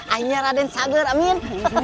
ainya raden sager amin